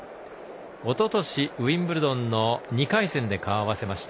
おととしウィンブルドンの２回戦で顔を合わせました。